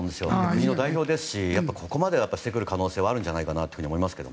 国の代表ですしここまでしてくる可能性はあると思います。